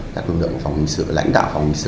các lực lượng phòng hình sự lãnh đạo phòng hình sự